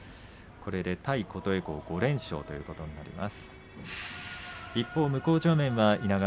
これで対琴恵光５連勝ということになります